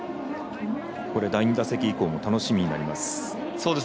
第２打席以降も楽しみになります。